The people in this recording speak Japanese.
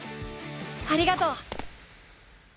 ありがとう！